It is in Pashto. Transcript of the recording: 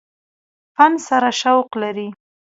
فن سره شوق لري ۔